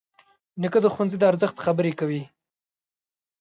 نیکه د ښوونځي د ارزښت خبرې کوي.